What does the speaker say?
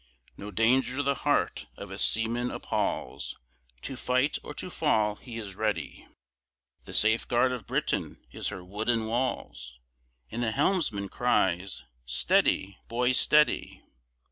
No danger the heart of a seaman appals, To fight or to fall he is ready, The safeguard of Britain is her wooden walls, And the Helmsman cries "steady! boys, steady!"